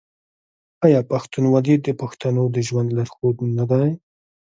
آیا پښتونولي د پښتنو د ژوند لارښود نه دی؟